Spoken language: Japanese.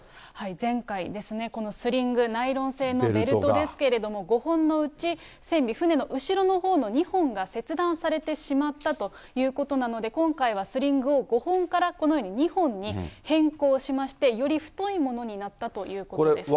前回、このスリング、ナイロン製のベルトですけれども、５本のうち船尾、船の後ろのほうの２本が切断されてしまったということなので、今回はスリングを５本からこのように２本に変更しまして、より太いものになったということです。